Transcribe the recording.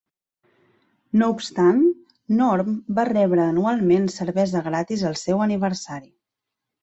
No obstant, Norm va rebre anualment cervesa gratis al seu aniversari.